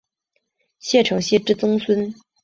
谢承锡之曾孙。